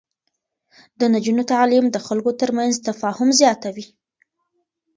د نجونو تعليم د خلکو ترمنځ تفاهم زياتوي.